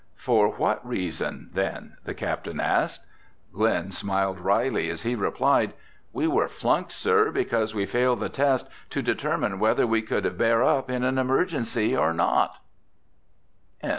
"For what reason then?" the captain asked. Glen smiled wryly as he replied, "We were flunked, sir, because we failed the test to determine whether we could bear up in an emergency or not!"